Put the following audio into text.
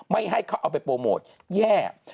ไม่ให้เขาเอาไปโปรโมทแย่